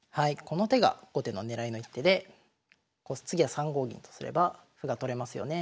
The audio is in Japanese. この手が後手の狙いの一手で次は３五銀とすれば歩が取れますよね。